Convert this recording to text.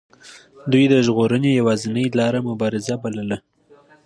دوی د ژغورنې یوازینۍ لار مبارزه بلله.